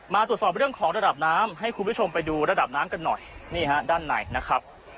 ตรวจสอบเรื่องของระดับน้ำให้คุณผู้ชมไปดูระดับน้ำกันหน่อยนี่ฮะด้านในนะครับ